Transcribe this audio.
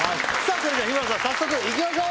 それでは日村さん早速いきましょう！